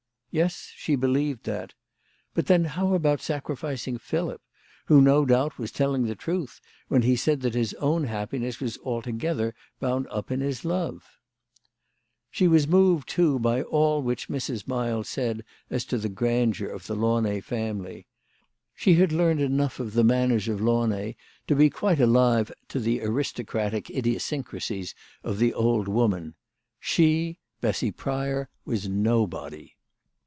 Yes, she believed that. But then, how about sacrificing Philip, who, no doubt, was telling the truth when he said that his own happiness was altogether bound up in his love ? She was moved too by all that which Mrs. Miles said as to the grandeur of the Launay family. She had learned enough of the manners of Launay to be quite alive to the aristocratic idiosyncrasies of the old woman, She, Bessy Pryor, was nobody.